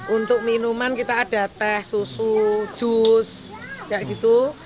untuk minuman kita ada teh susu jus kayak gitu